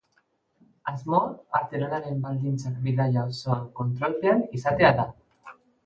Asmoa artelanaren baldintzak bidaia osoan kontrolpean izatea da.